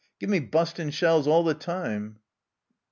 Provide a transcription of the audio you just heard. Give me busting shells all the time o."